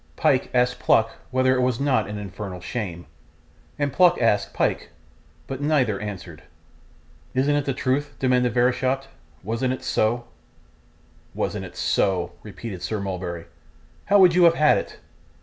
Pyke asked Pluck whether it was not an infernal shame, and Pluck asked Pyke; but neither answered. 'Isn't it the truth?' demanded Verisopht. 'Wasn't it so?' 'Wasn't it so!' repeated Sir Mulberry. 'How would you have had it?